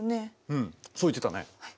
うんそう言ってたね。